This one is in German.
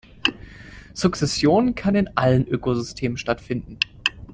Sukzession kann in allen Ökosystemen stattfinden.